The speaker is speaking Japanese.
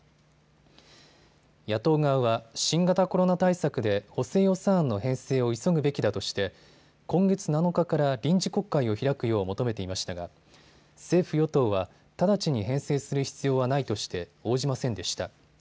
野党側は新型コロナ対策で補正予算案の編成を急ぐべきだとして今月７日から臨時国会を開くよう求めていましたが政府与党は直ちに編成する必要はないとして応じませんでした。